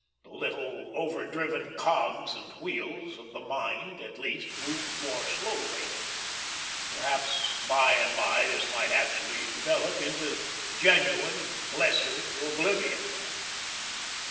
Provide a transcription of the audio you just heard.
The little, over driven cogs and wheels of the mind, at least, moved more slowly. Perhaps by and by this might actually develop into genuine, blessed oblivion.